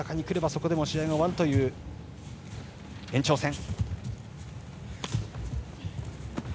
そこでも試合が終わるという延長戦。